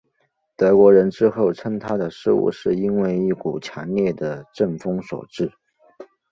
德国人之后称他的失误是因为一股强烈的阵风所致。